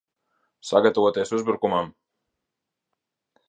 Sagatavoties uzbrukumam!